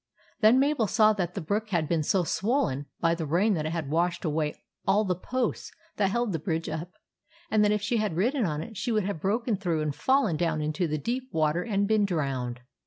Then Mabel saw that the brook had been so swollen by the rain that it had washed away all the posts that held the bridge up ; and that if she had ridden on it, she would have broken through and fallen down into the deep water and been drowned.